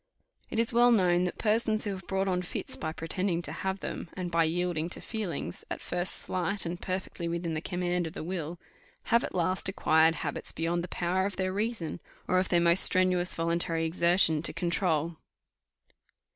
It is well known that persons have brought on fits by pretending to have them; and by yielding to feelings, at first slight and perfectly within the command of the will, have at last acquired habits beyond the power of their reason, or of their most strenuous voluntary exertion, to control.